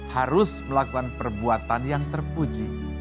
harus melakukan perbuatan yang terpuji